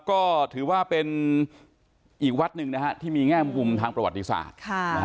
ก็ถือว่าเป็นอีกวัดหนึ่งนะฮะที่มีแง่มุมทางประวัติศาสตร์